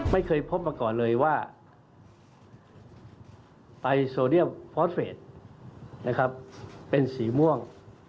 ไม่เคยพบมาก่อนเลยว่าไตโซเดียมฟอสเฟสนะครับเป็นสีม่วง